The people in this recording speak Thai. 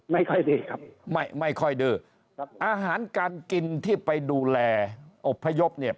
ไม่ค่อยดื้อครับไม่ไม่ค่อยดื้อครับอาหารการกินที่ไปดูแลอบพยพเนี่ย